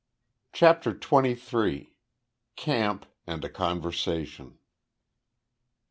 CHAPTER TWENTY THREE. CAMP AND A CONVERSATION.